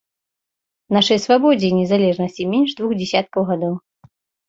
Нашай свабодзе і незалежнасці менш двух дзесяткаў гадоў.